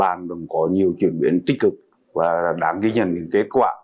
mặc dù còn nhiều khó khăn về cơ sở vật chất đời làm việc